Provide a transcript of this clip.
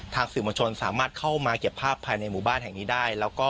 สื่อมวลชนสามารถเข้ามาเก็บภาพภายในหมู่บ้านแห่งนี้ได้